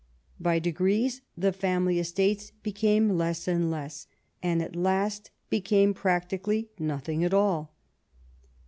By degrees the family estates be came less and less, and at last became practically nothing at all.